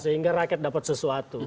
sehingga rakyat dapat sesuatu